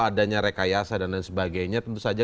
adanya rekayasa dan lain sebagainya tentu saja